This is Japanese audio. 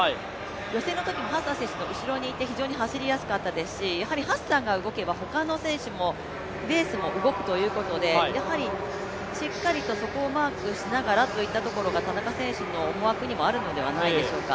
予選のときハッサン選手の後ろにいて非常に走りやすかったですし、やはりハッサン選手が動けば他の選手も、レースも動くということで、しっかりとそこをマークしながらといったところが田中選手の思惑にもあるのではないでしょうか。